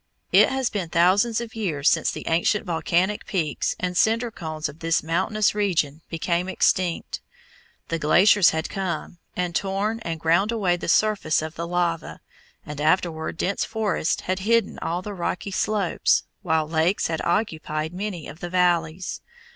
It has been thousands of years since the ancient volcanic peaks and cinder cones of this mountainous region became extinct. The glaciers had come, and torn and ground away the surface of the lava, and afterward dense forests had hidden all the rocky slopes, while lakes had occupied many of the valleys.